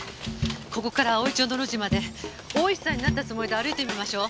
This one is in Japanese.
ここから葵町の路地まで大石さんになったつもりで歩いてみましょう。